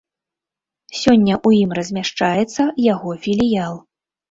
Сёння ў ім размяшчаецца яго філіял.